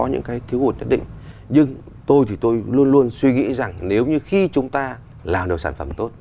những cái tác phẩm